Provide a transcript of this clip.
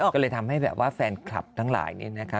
ก็เลยทำให้แฟนคลับทั้งหลาย